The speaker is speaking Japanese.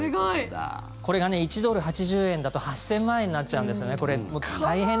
これが１ドル＝８０円だと８０００万円になっちゃうんです